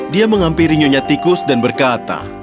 dia menghampiri nyonya tikus dan berkata